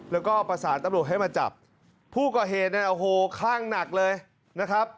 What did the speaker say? แล้วก็ประสานตำรวจให้มาจับผู้ก่อเหตุเนี่ยโอ้โหคลั่งหนักเลยนะครับ